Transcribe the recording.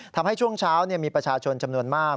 ช่วงเช้ามีประชาชนจำนวนมาก